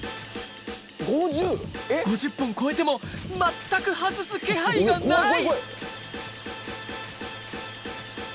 ５０本超えても全く外す気配がない！